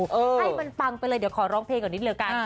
ให้มันปังไปเลยเดี๋ยวขอร้องเพลงก่อนนิดเดียวกัน